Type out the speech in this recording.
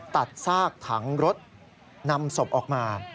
ตัดซากถังรถนำศพออกมา